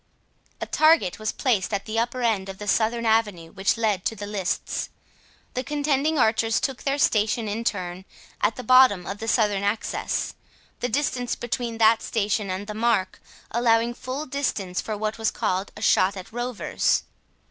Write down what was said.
A target was placed at the upper end of the southern avenue which led to the lists. The contending archers took their station in turn, at the bottom of the southern access, the distance between that station and the mark allowing full distance for what was called a shot at rovers.